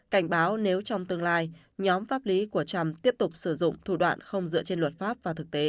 cảnh báo nếu trong tương lai nhóm pháp lý của trump tiếp tục sử dụng thủ đoạn không dựa trên luật pháp và thực tế